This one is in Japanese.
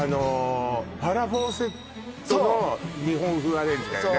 ファラ・フォーセットの日本風アレンジだよね